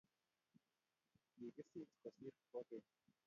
Kikisis kosir kwekeny